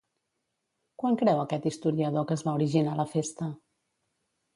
Quan creu aquest historiador que es va originar la festa?